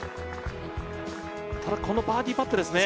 ただこのバーディーパットですね。